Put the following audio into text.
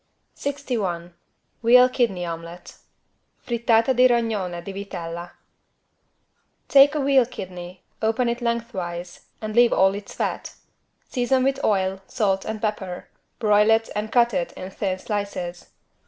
61 VEAL KIDNEY OMELET (Frittata di rognone di vitella) Take a veal kidney, open it lengthwise and leave all its fat. Season with oil, salt and pepper, broil it and cut in thin slices.